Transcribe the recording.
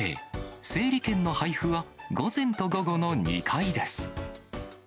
整理券の配布は午前と午後の２回です。